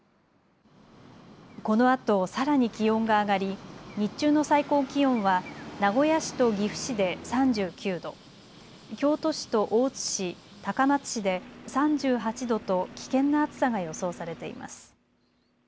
このあとさらに気温が上がり日中の最高気温は名古屋市と岐阜市で３９度、京都市と大津市、高松市で３８度と危険な暑さが予想されています。